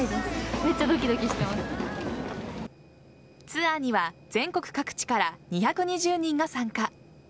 ツアーには全国各地から２２０人が参加。